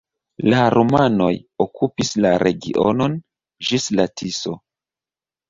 La rumanoj okupis la regionon ĝis la Tiso.